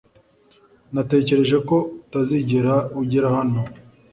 Natekereje ko utazigera ugera hano